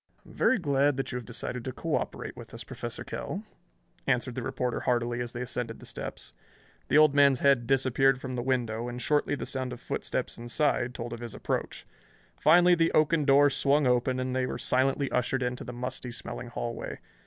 "I am very glad that you have decided to cooperate with us, Professor Kell," answered the reporter heartily, as they ascended the steps. The old man's head disappeared from the window and shortly the sound of footsteps inside told of his approach. Finally the oaken door swung open, and they were silently ushered into the musty smelling hallway.